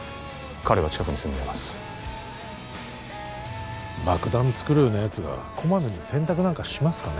彼は近くに住んでます爆弾作るようなやつがこまめに洗濯なんかしますかね